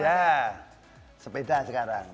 ya sepeda sekarang